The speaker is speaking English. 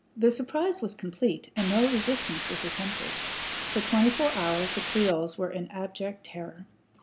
The surprise was complete, and no resistance was attempted. For twenty four hours the Creoles were in abject terror.